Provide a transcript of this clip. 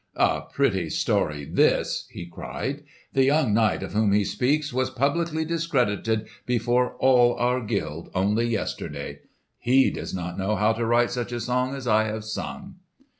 "A pretty story this!" he cried. "The young knight of whom he speaks was publicly discredited before all our guild only yesterday. He does not know how to write such a song as I have sung!"